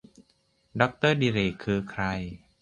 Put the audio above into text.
ดอกเตอร์ดิเรก คือใคร